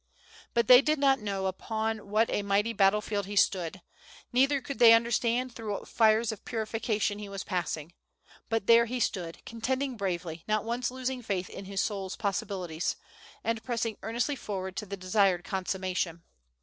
But they did not know upon what a mighty battle field he stood, neither could they understand through what fires of purification he was passing. But there he stood, contending bravely, not once losing faith in his soul's possibilities, and pressing earnestly forward to the desired consummation.